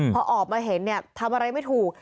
พอออกมาเห็นเนี่ยทำอะไรไม่ถูก